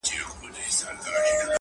o شل سره خيشتوي، يو لا نه خريي٫